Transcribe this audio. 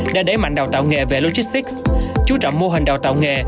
đã đẩy mạnh đào tạo nghề về logistics chú trọng mô hình đào tạo nghề